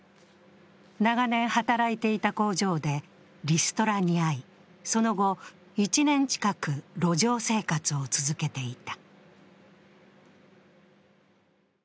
長年働いていた工場でリストラに遭い、その後、１年近く路上生活を続けていた。